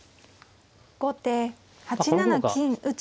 後手８七金打。